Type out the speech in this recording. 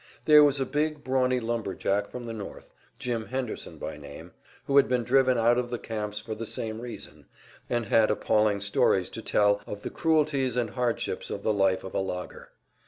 There was a big, brawny lumber jack from the North, Jim Henderson by name, who had been driven out of the camps for the same reason, and had appalling stories to tell of the cruelties and hardships of the life of a logger.